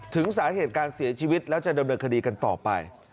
ถึงสาเหตุการเสียชีวิตแล้วจะดำเนินคดีกันต่อไป